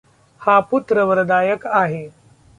हा पुत्र वरदायक आहे.